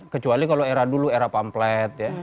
kecuali kalau era dulu era pamplet ya